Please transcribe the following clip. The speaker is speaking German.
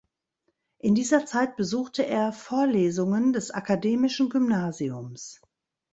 In dieser Zeit besuchte er Vorlesungen des Akademischen Gymnasiums.